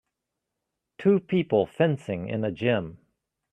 Two people fencing in a gym.